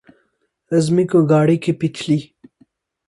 اعظمی کو گاڑی کی پچھلی